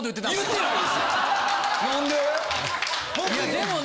でもね